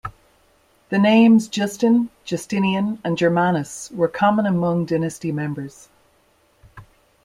The names Justin, Justinian and Germanus were common among dynasty members.